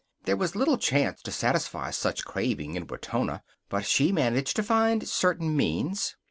There was little chance to satisfy such craving in Wetona, but she managed to find certain means.